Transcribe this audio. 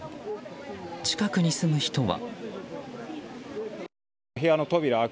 近くに住む人は。